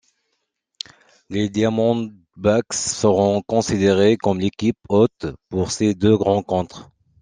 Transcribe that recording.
Les Diamondbacks seront considérés comme l'équipe hôte pour ces deux rencontres.